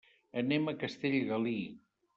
Anem a Castellgalí.